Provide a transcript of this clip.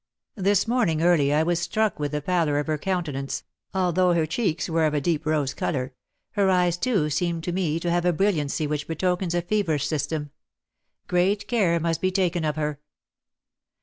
This morning early I was struck with the pallor of her countenance, although her cheeks were of a deep rose colour; her eyes, too, seem to me to have a brilliancy which betokens a feverish system. Great care must be taken of her."